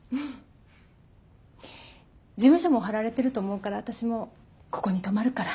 事務所も張られてると思うから私もここに泊まるから。